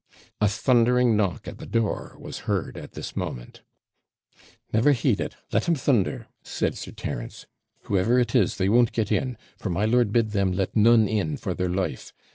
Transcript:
A thundering knock at the door was heard at this moment. 'Never heed it; let 'em thunder,' said Sir Terence; 'whoever it is, they won't get in; for my lord bid them let none in for their life.